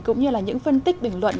cũng như là những phân tích bình luận